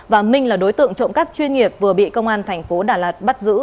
và minh là đối tượng trộm cắt chuyên nghiệp vừa bị công an tp đà lạt bắt giữ